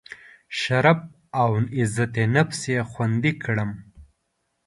شرف او عزت نفس یې خوندي کړم.